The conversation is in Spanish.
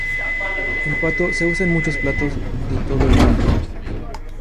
El pato se usa en muchos platos de todo el mundo.